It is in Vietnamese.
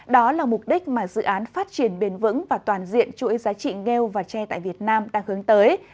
đó là mục đích mà dự án phát triển bền vững và toàn diện chuỗi giá trị nghêu và tre tại việt nam đang hướng tới